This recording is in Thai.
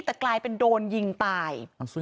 แต่กลายเป็นโดนยิงตาย